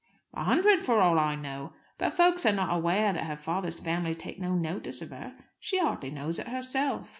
"A hundred, for all I know. But folks are not aware that her father's family take no notice of her. She hardly knows it herself."